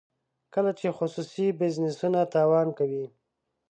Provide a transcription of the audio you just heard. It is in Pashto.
کله چې خصوصي بزنسونه تاوان کوي.